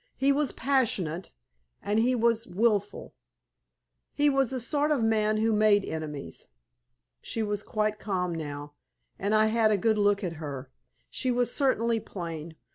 He was passionate, and he was wilful. He was the sort of a man who made enemies." She was quite calm now, and I had a good look at her. She was certainly plain.